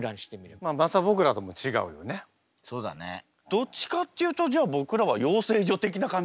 どっちかっていうとじゃあ僕らは養成所的な感じ。